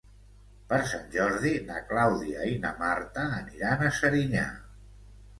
Per Sant Jordi na Clàudia i na Marta aniran a Serinyà.